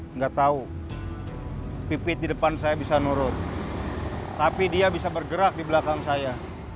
enggak tahu pipit di depan saya bisa nurut tapi dia bisa bergerak di belakang saya